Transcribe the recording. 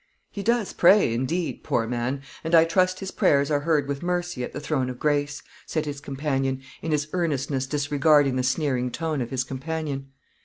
"He does pray, indeed, poor man! and I trust his prayers are heard with mercy at the throne of grace," said his companion, in his earnestness disregarding the sneering tone of his companion.